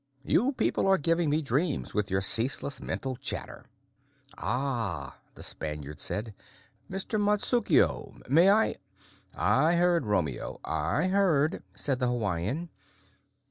You people are giving me dreams, with your ceaseless mental chatter." "Ah!" the Spaniard said. "Mr. Matsukuo, may I " "I heard, Romeo, I heard," said the Hawaiian.